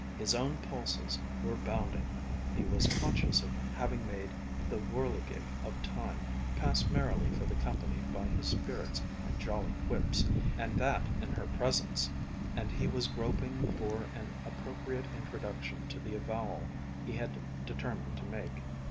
His own pulses were bounding. He was conscious of having made the whirligig of time pass merrily for the company by his spirits and jolly quips, and that in her presence, and he was groping for an appropriate introduction to the avowal he had determined to make.